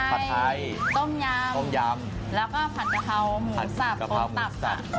ผัดไทยต้มยำแล้วก็ผัดกะเพราหมูสับกะเพราหมูสับ